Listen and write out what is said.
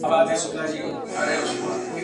کابل څه ډول خپل دیپلوماتان د ایران سفارت ته لېږي؟